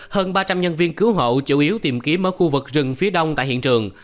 hơn ba trăm linh nhân viên cứu hộ chủ yếu tìm kiếm ở khu vực rừng phía đông tại hiện trường